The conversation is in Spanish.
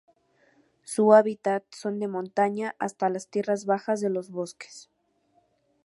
Su hábitat son de montaña hasta las tierras bajas de los bosques.